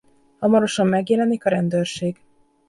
Hamarosan megjelenik a rendőrség.